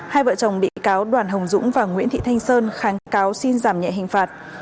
hai vợ chồng bị cáo đoàn hồng dũng và nguyễn thị thanh sơn kháng cáo xin giảm nhẹ hình phạt